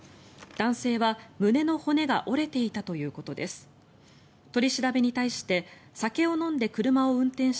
男性は胸の骨が折れていたということです。